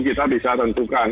kita bisa tentukan